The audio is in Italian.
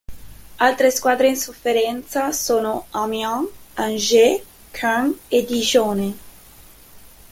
Altre squadre in sofferenza sono Amiens, Angers, Caen e Digione.